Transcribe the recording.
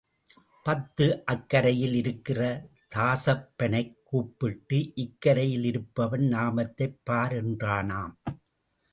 பத்து அக்கரையில் இருக்கிற தாசப்பனைக் கூப்பிட்டு இக்கரையில் இருப்பவன் நாமத்தைப் பார் என்றானாம்.